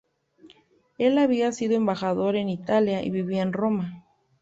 Él había sido embajador en Italia, y vivía en Roma.